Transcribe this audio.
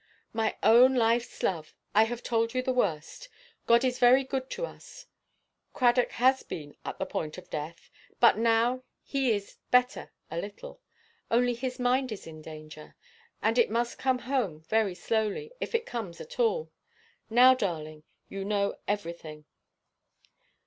"My own lifeʼs love, I have told you the worst. God is very good to us. Cradock has been at the point of death, but now he is better a little. Only his mind is in danger. And it must come home very slowly, if it comes at all. Now, darling, you know everything."